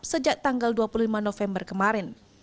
sejak tanggal dua puluh lima november kemarin